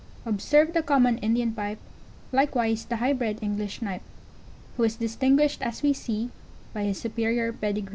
] Observe the common Indian Pipe, Likewise the high bred English Snipe, Who is distinguished, as we see, By his superior pedigree.